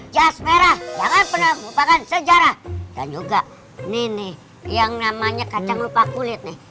jas merah jangan pernah lupakan sejarah dan juga ini yang namanya kacang lupa kulit nih